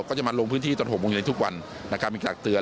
ก็จะมาโรงพื้นที่ตรง๖โมงโยงเวลาทุกวันนะครับมีการตักเตือน